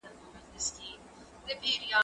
زه پرون د تکړښت لپاره وم